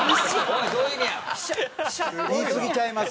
言いすぎちゃいます？